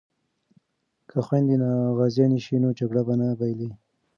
که خویندې غازیانې شي نو جګړه به نه بایلي.